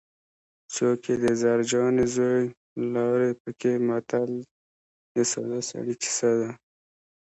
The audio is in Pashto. څوک یې د زرجانې زوی لاړې پکې متل د ساده سړي کیسه ده